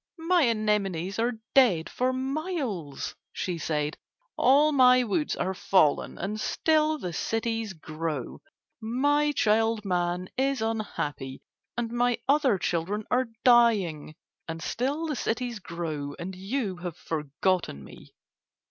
"My anemones are dead for miles," she said, "all my woods are fallen and still the cities grow. My child Man is unhappy and my other children are dying, and still the cities grow and you have forgotten me!"